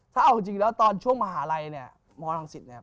ถ้าเอาจริงแล้วตอนช่วงมหาลัยเนี่ย